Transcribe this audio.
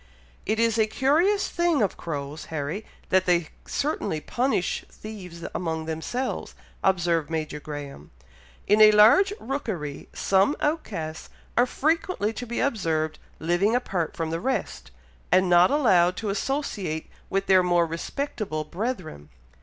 "It is a curious thing of crows, Harry, that they certainly punish thieves among themselves," observed Major Graham. "In a large rookery, some outcasts are frequently to be observed living apart from the rest, and not allowed to associate with their more respectable brethren.